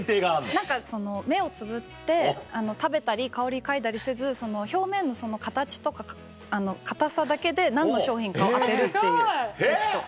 何かその目をつむって食べたり香り嗅いだりせず表面のその形とか硬さだけで何の商品かを当てるっていうテスト。